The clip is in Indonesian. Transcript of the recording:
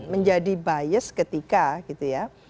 menjadi bias ketika gitu ya